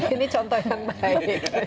ini contoh yang baik